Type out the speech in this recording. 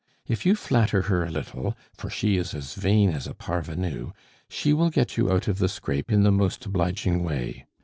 If you flatter her a little for she is as vain as a parvenue she will get you out of the scrape in the most obliging way.